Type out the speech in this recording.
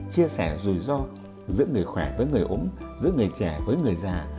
chia sẻ rủi ro giữa người khỏe với người ốm giữa người trẻ với người già